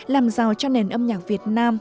làm giàu cho nền âm nhạc việt nam